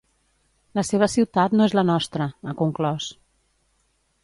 La seva ciutat no és la nostra, ha conclòs.